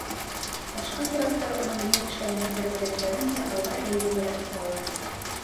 Башҡа пираттар уның ни эшләгәнен күрергә теләгәндәй алға эйелеберәк торалар.